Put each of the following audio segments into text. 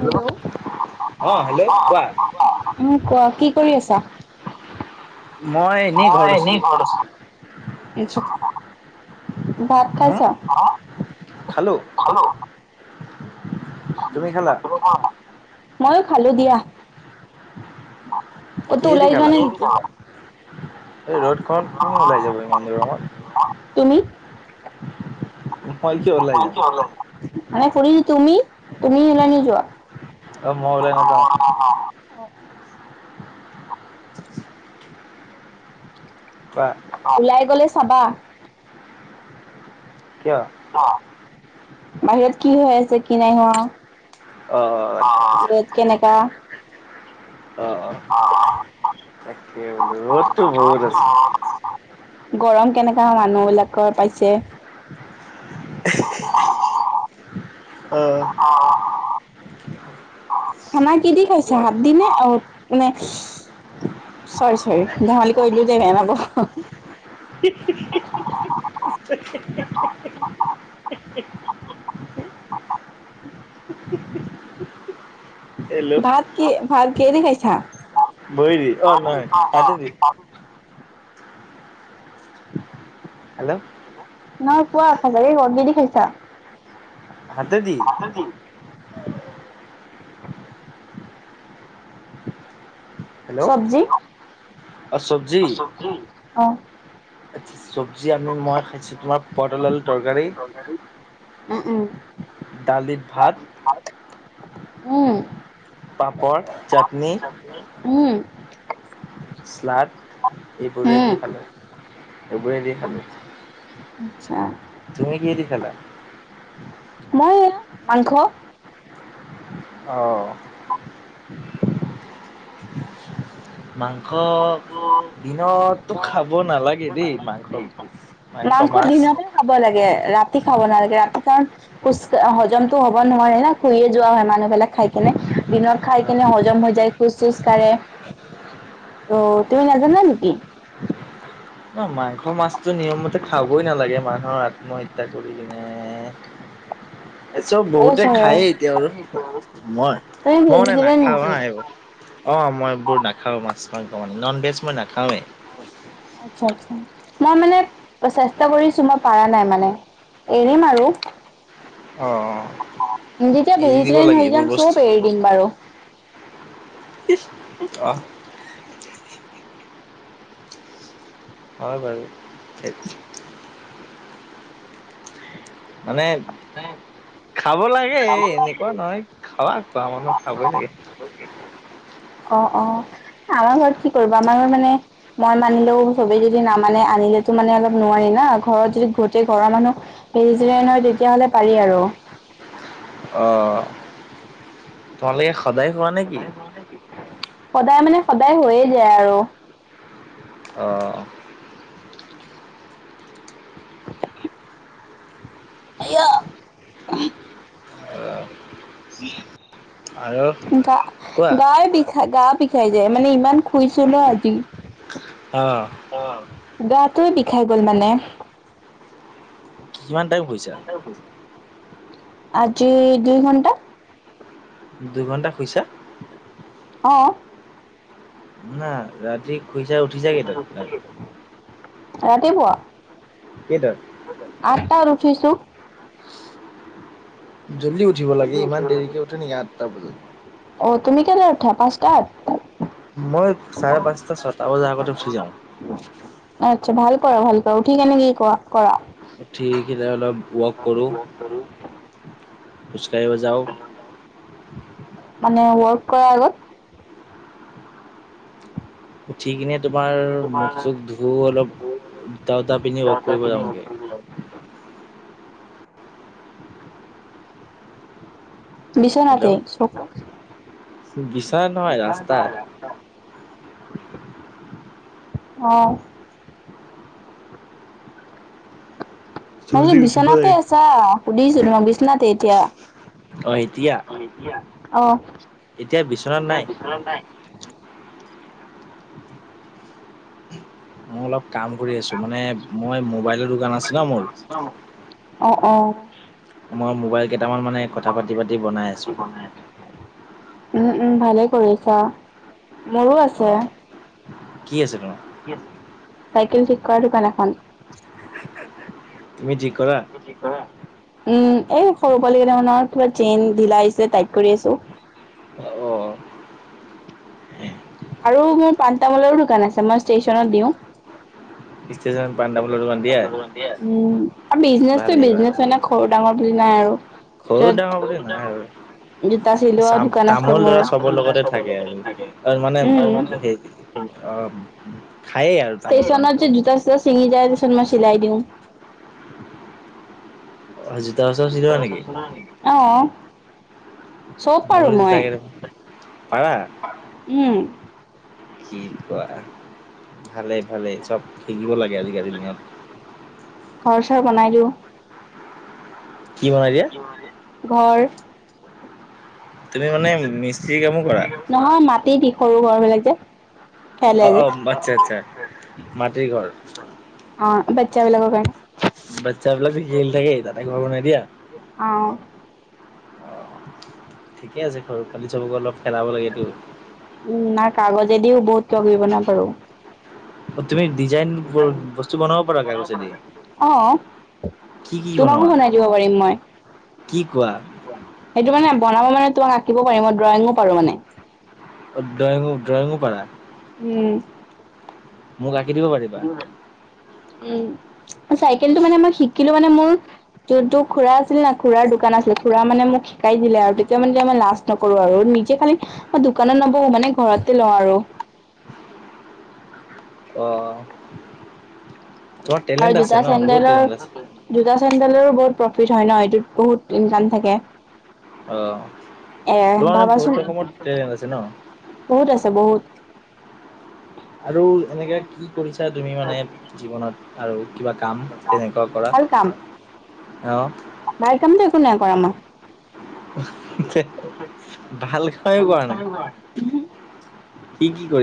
উম অ', হেল্ল' কোৱা? উম, কোৱা কি কৰি আছা? মই এনেই ঘৰত আছিলোঁ। ভাত হুম খাইছা? খালোঁ খালোঁ। তুমি খালা ময়ো খালোঁ দিয়া। ক'তো কিহেদি ওলাই যোৱা খালা? নাই নেকি? এই ৰ'দ খনত, কোন ওলাই যাব, ইমান গৰমত। তুমি? মই কিয় ওলাই যাম মানে সুধিছোঁ তুমি, তুমি ওলাই নোযোৱা? অ', মই ওলাই নেযাওঁ। কোৱা? ওলাই গ'লে চাবা। কিয়? বাহিৰত কি হৈ আছে, কি নাই হোৱা। অ', আচ্চা-আচ্চা। ৰ'দ কেনেকা। অ', অ', তাকে। বোলো ৰ'দটো বহুত আছে গৰম কেনেকা, মানুহ বিলাকৰ পাইছে। [inaudible] অ। খানা কি দি খাইছা, হাত দি নে অ নে, চৰি চৰি, ধেমালি কৰি‌ দিলো দেই, বেয়া নাপাব। [unintelligible] [unintelligible] ভাত কি ভাত‌ কিহেদি খাইছা? ভৰিদি অ নহয় হাতেদি হেল্ল'। নহয় কোৱা, সঁচাকে কোৱা, কি দি খাইছা? হাতে দি। [unintelligible] হেল্ল' চবজি? অ চব্জি অ। আচ্ছা চব্জি আমি মই খাইছোঁ তোমাৰ পতলাল তৰকাৰী। উম, উম। দালিৰ ভাত। উম। পাপৰ, চাটনি। উম। স্লাড, উম। এইবোৰেদি খালো। এইবোৰে দি খালো। আচ্ছা, তুমি কিহেদি খালা? মই এয়া মাংস। অঁ। মাংস দিনততো খাব নালাগে দেই মাংস বেছি। মাংস মাছ। খাব লাগে, ৰাতি খাব নালাগে, ৰাতি কাৰণ খুচ, হজমতো হ'ব নোৱাৰে না', শুইয়ে যোৱা মানুহবিলাক খাই কেনে। দিনত খাই কেনে হজম হৈ যায়, খোজ চোজ কাঢ়ে। অ', তুমি নাজানা নেকি? ন' মাংস মাছটো নিয়ম মতে খাবই নালাগে, মানুহৰ আত্মহত্যা তা কৰি কিনে। এচব অ' বহুতে চৰি খায়েই এতিয়া আৰু। মই তুমি মই মানে ভেজিটেৰিয়ান নাখাওঁ নেকি? হা, এইবোৰ। অ', মই এইবোৰ নাখাও মাছ মাংস মানে, নন ভেজ মই নাখাওৱে। আচ্চা আচ্চা, মই মানে চেষ্টা কৰিছো, মই পাৰা নাই মানে। এৰিম আৰু। অঁ। যেতিয়া ভেজিটেৰিয়ান হৈ যাম, বস্তু চব এৰি দিম বাৰু। অঁ। হয় বাৰু। সেই মানে [unintelligible] খাব লাগে, এনেকুৱা নহয় খাবা, খোৱা মানুহ খাবই লাগে। অ', অ', আমাৰ ঘৰত কি কৰিব, আমাৰ ঘৰত মানে মই মানিলেও, চবেই যদি নামানে, আনিলেতো মানে অলপ নোৱাৰি ন, ঘৰত যদি গোটেই ঘৰৰ মানুহ ভেজিতেৰিয়ান হয়, তেতিয়াহলে পাৰি আৰু। অঁ। তোমালোকে সদায় খোৱা নে কি? সদায় কৰা নেকি সদায় মানে, সদায় হৈয়ে যায় আৰু। অ। আই অ আৰু গা, কোৱা গা বিষাই গা বিষ খাই যায়, মানে ইমান খুইছো ন' আজি। অ। অ গাটোৱে বিষাই গ'ল মানে। কিমান টাইম শুইছা? আজি, দুই ঘণ্টা। দুইঘণ্টা শুইছা। অঁ হা ৰাতি শুইছা উঠিছা কেইটাত? ৰাতি পুৱা কেইটাত? আঠটাত উঠিছোঁ। জল্দি উঠিব লাগে, ইমান দেৰিকে উঠে নেকি, আঠটা বজাত। অ', তুমি কেইটাত উঠা, পাঁচটাত? মই চাৰে পাঁচটা, ছটা বজাৰ আগতে উঠি যাওঁ। আচ্ছা, ভাল কৰা, ভাল কৰা। উঠি কেনে কি কৰা কৰা? উঠি কিনে অলপ ৱাক কৰোঁ। আৰু খোজ কাঢ়িব যাওঁ। মানে, ৱৰ্ক কৰাৰ আগত। উঠি কিনে তোমাৰ, মুখ-চুখ ধু অলপ, জোতা চোটা পিন্ধি, ৱক কৰিব যাওঁগে। [unintelligible] হেল্ল'। বিছনাতে, ছটা বিচনাত নহয়, ৰাস্তাত। অ মই যে, জল্দি উঠিব বিচনাতে লাগে। আছা, সুধিছো তোমাক বিচনাতে এতিয়া? অ এতিয়া অ', এতিয়া অ এতিয়া বিচনাত এতিয়া নাই। বিচনাত নাই। মই অলপ কাম কৰি আছোঁ। মানে মই, মোবাইলৰ দোকান আছে ন' মোৰ। অ। অ', অ'। মই মোবাইল কেইটামান মানে, কথা পাতি-পাতি, বনাই আছো। উম, উম, ভালেই কৰিছা। মোৰো অ আছে। কি আছে তোমাৰ চাইকেল ঠিক কৰা দোকান এখন। তুমি ঠিক কৰা? তুমি ঠিক কৰা উম, এ সৰু পোৱালি কেইটামান আহিছে চেইন ঢিলা হৈছে, টাইট কৰি আছো। অ আৰু মোৰ পান তামোলৰো দোকান আছে। মই ষ্টেচনত দিওঁ। ষ্টেচনত পা ষ্টেচনত পান তামোলৰ দোকান দিয়া উম, আৰু বিজনেছটো ভালেই বিজনেছ ভালেই। হয় ন সৰু ডাঙৰ বুলি নাই আৰু। সৰু ডাঙৰ ছত, বুলি সৰু নাই আৰু ডাঙৰ জোতা চিলোৱা চাম দোকান আছে তামোল মোৰ ধৰা চবৰ লগতে চবৰ থাকে লগতে আৰু। থাকে আৰু মানে সেই উম। অ খাইয়ে আৰু তামোল পান চব। চ ছিঙি যায় পিছত মই চিলাই দিওঁ। আ জোতা আছে? জোতা চপ চলোৱা নেকি অহ চব পাৰো মোৰো জোতা মই, কেইটামান পাৰা? উম। কি কোৱা ভালে- ভালে চব শিকিব লাগে আজিকালিৰ দিনত ঘৰ চৰ বনাই দিও। কি বনাই দিয়ে? ঘৰ। তুমি মানে মিস্ত্ৰীৰ কামো কৰা? নহয় মাটি দি সৰু ঘৰবিলাক যে। খেলে অ- যে অ আচ্ছা- আচ্ছা মাটিৰ ঘৰ। অ, বাতচা বিলকৰ কাৰণে। বাতচ্ছা বিলাক খেলি থাকে তাতে ঘৰ বনাই দিয়া? অ ঠিকে আছে ঘৰ পোৱালি চবকো অলপ খেলাব লাগেতো। উম, নাই কাগজেদিও বহুত কিবা কিবি বনাব পাৰো। তুমি ডিজাইনবোৰ বস্তু বনাব পাৰা, কাগজেদি? অ', কি কি তোমাকো বনোৱা বনাই দিব পাৰিম মই। কি কোৱা সেইটো মানে বনাব মানে, তোমাক আঁকিব পাৰিম, মই ড্ৰয়িঙো পাৰো মানে। অ ড্ৰয়িঙো ড্ৰয়িঙো কৰা। উম মোক আঁকি দিব পাৰিবা? উম চাইকেলটো মানে মই শিকিলো মানে মোৰ যোনটো খুৰা আছিল না, খুৰাৰ দোকান আছিল খুৰা মানে মোক শিকাই দিলে আৰু তেতিয়া মানে মই মানে লাজ নকৰো আৰু নিকি খালি মই দোকানত নবহো মানে ঘৰতে লওঁ আৰু। অ তোমাৰ টেলেণ্ট আৰু আছে জোতা ন বহুত টেলেণ্ট আছে চেণ্ডেলৰ জোতা চেণ্ডেলৰো বহুত প্ৰফিট হয় ন। এইটোত বহুত ইনকাম থাকে। অহ। এ ভাবা চোন বহুত আছে বহুত। আৰু এনেকে কি কৰিছা তুমি মানে, জীৱনত? আৰু কিবা কাম তেনেকোৱা কৰা অ। নাই কামটো একো নাই কৰা মই। হে হে ভালকৈ কৰা নাই।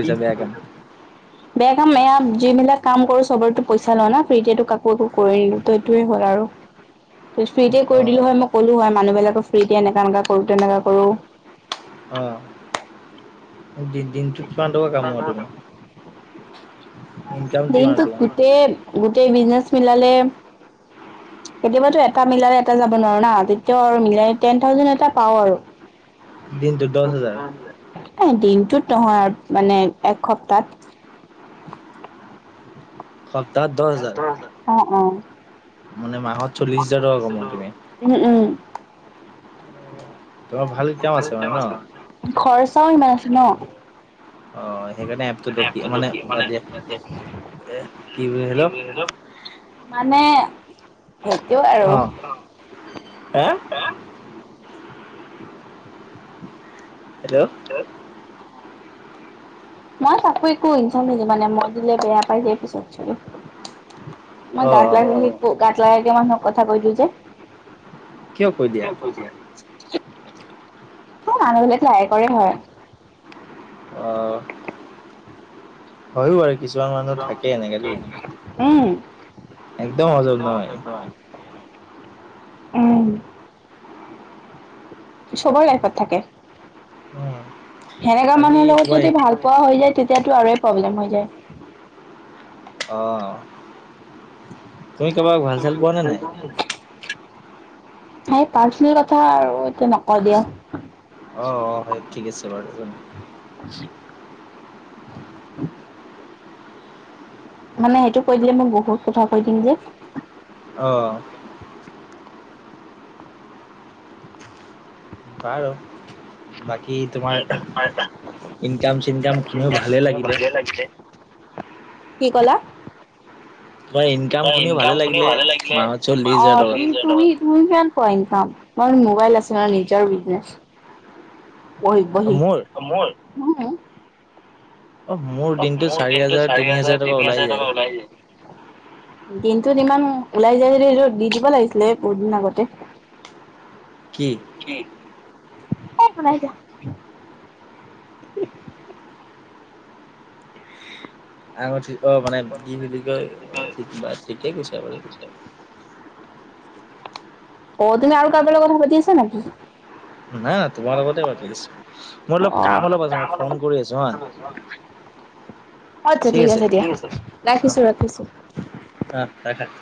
কি বেয়া হৈ কাম যাব বেয়া কাম এয়া, যিবিলাক কাম কৰো চবৰেতো পইচা লোৱা না ফ্ৰীকেতো কাকো একো কৰি নিদো ত সেইটোৱে হ'ল আৰু। ফ্ৰীতে কৰি দিলো হয় মই কলো হয় মানুবিলাক ফ্ৰীতে এনেকা এনেকা কৰো তেনেকা কৰো। অ দিন দিনটোত কিমান টকা কাম কৰা তুমি? ইনকাম কিমান দিনটো তোমাৰ গোটেই গোটেই বিজনেছ মিলালে কেতিয়াবাতো এটা মিলালে এটা যাব নোৱাৰো না তেতিয়াও আৰু মিলাই টেন থাউজেণ্ড এটা পাও আৰু। দিনটোত দহ হাজাৰ এই দিনটোত নহয় মানে এক সপ্তাত সপ্তাহত দহ হাজাৰ অ অ মানে মাহত চল্লিশ কষ্ট হাজাৰ টকা কমোৱা চলিছিলো তুমি উম উম তোমাৰ ভাল কাম আছে মানে ন [unintelligible] খৰচাও ইমান অ সেইকাৰণে এপটোত আছে ৰখি মানে বাদ দিয়া ন [unintelligible] কি বুলি হেল্ল' মানে সেইটো আৰু অ হা হে হেল্ল' হে অ মই তাকো একো ইনচাল মানে মই দিলে বেয়া পাই যে যিহেতু মই অ অ গাত লাগাকে গাত লাগাকে মানুহক কথা কৈ দিয়ো যে কিয় কৈ দিয়া সেই মানুহ বিলাক লাইকৰে হয় অহ হয়ো বাৰু কিছুমান মানুহ থাকে এনেকা দেই উম। একদম সজম নহয় উম, চবৰ লাইফত থাকে উম, সেনেকা বাকী মানুহৰ লগত তোমাৰ যদি ভাল পোৱা হৈ যায় তেতিয়াতো আৰু প্ৰব্লেম হৈ যায় অ তুমি কাৰোবাক ভাল চাল পোৱা নে নাই এই পাৰচেনেল কথা আৰু এতিয়া নকওঁ দিয়া অ হয় ঠিক আছে বাৰু নোকোৱা [unintelligible] [inaudible] মানে সেইটো কৈ দিলে মই বহুত কথা কৈ দিম যে অ বাৰু বাকী তোমাৰ ইনকাম চিনকাম শুনিও ভালে লাগিলে কি কলা তোমাৰ তোৰ শুনিও ইনকাম শুনি ভালে লাগিলে মাহত চল্লিশ অ হাজাৰ টকা। তুমি তুমি কিমান পোৱা তোমাৰ মোবাইল আছে ন নিজৰ বিজনেচ বহি বহি মোৰ মই উম অ মোৰ দিনটো চাৰি হাজাৰ তিনি হাজাৰ টকা ওলাই যায় দিনটোত ইমান ওলাই যায় যদি সেইটো দি দিব লাগিছিলে বহুত দিন আগতে [unintelligible] কি কি এ একো নাই দিয়া আঙুঠি অ মানে কি বুলি কয় বা ঠিকে কৈছা বাৰু অ তুমি আৰু কাৰোবাৰ লগত কথা পাতি আছা নেকি নাই নাই‌ তোমাৰ লগতে পাতি আছো মোৰ অলপ কাম অলপ আছে মই ফোন কৰি আছো হা অ আচ্ছা ঠিক আছে দিয়া ঠিক আছে অ' ৰাখিছোঁ ৰাখিছোঁ [unintelligible]